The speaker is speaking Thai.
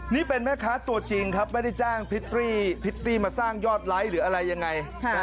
นี่เป็นแม่ค้าตัวจริงครับไม่ได้จ้างพริตตี้มาสร้างยอดไลค์หรืออะไรยังไง